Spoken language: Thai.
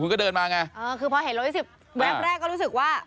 คุณก็เดินมาไงคือพอเห็นโลปูยี่สิบแวทแรกก็รู้สึกว่า